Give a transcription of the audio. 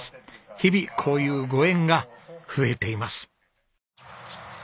日々こういうご縁が増えています。